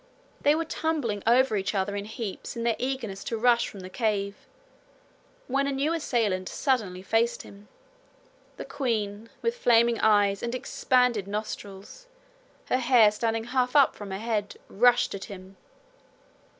They were tumbling over each other in heaps in their eagerness to rush from the cave, when a new assailant suddenly faced him the queen, with flaming eyes and expanded nostrils, her hair standing half up from her head, rushed at him.